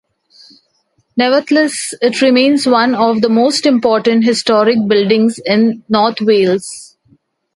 Nevertheless, it remains one of the most important historic buildings in North Wales.